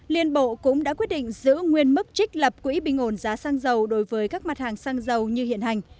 liên bộ cũng đã quyết định giữ nguyên mức trích lập quỹ bình ổn giá xăng dầu đối với các mặt hàng xăng dầu như hiện hành